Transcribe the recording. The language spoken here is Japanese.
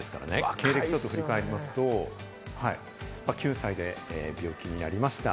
経歴をちょっと見ておきますと、９歳で病気になりました。